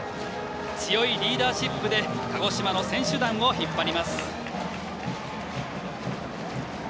強いリーダーシップで鹿児島の選手団を引っ張ります。